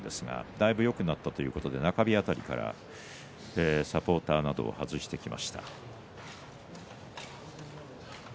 だいぶよくなったということで中日辺りからサポーターなどを外してきました。